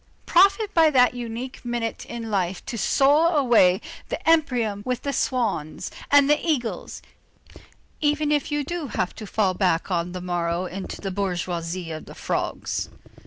Profit by that unique minute in life to soar away to the empyrean with the swans and the eagles, even if you do have to fall back on the morrow into the bourgeoisie of the frogs.